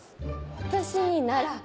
「私になら」